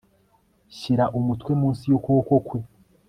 Shyira umutwe munsi yukuboko kwe